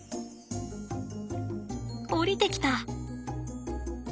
下りてきた。